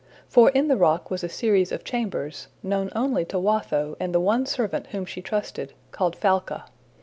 For in the rock was a series of chambers, known only to Watho and the one servant whom she trusted, called Falca.